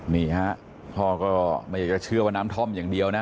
นี่ฮะพ่อก็ไม่อยากจะเชื่อว่าน้ำท่อมอย่างเดียวนะ